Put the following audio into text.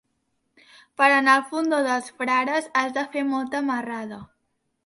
Per anar al Fondó dels Frares has de fer molta marrada.